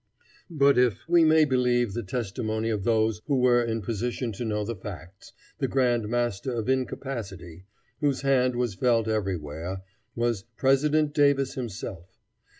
But, if we may believe the testimony of those who were in position to know the facts, the grand master of incapacity, whose hand was felt everywhere, was President Davis himself.